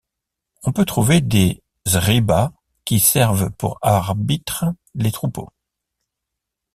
On peut trouver des Zriba qui servent pour arbitre les troupeaux.